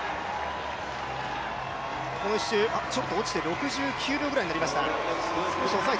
この１周、少し落として、６９秒ぐらいになりました。